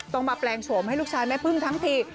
ต้องมาแปลงโฉมให้ลูกชายแม่พึ่งทั้งที